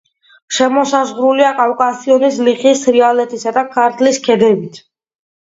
შემოსაზღვრულია კავკასიონის, ლიხის, თრიალეთისა და ქართლის ქედებით.